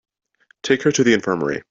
Take her to the infirmary.